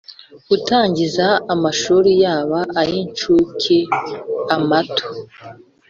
Gutangiza amashuri yaba ay incuke amato